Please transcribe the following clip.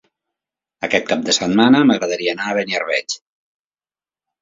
Aquest cap de setmana m'agradaria anar a Beniarbeig.